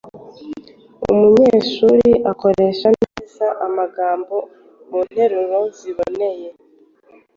Umunyeshuri nakoreshe neza amagambo mu nteruro ziboneye.